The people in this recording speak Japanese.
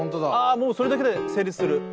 あもうそれだけで成立する！